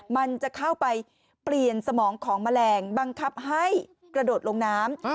มันจะเข้าไปเปลี่ยนสมองของแมลงบังคับให้กระโดดลงน้ำ